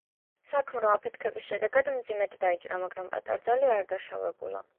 საქმრო, აფეთქების შედეგად, მძიმედ დაიჭრა, მაგრამ პატარძალი არ დაშავებულა.